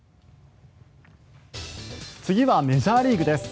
次はメジャーリーグです。